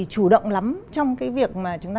chủ động lắm trong cái việc mà chúng ta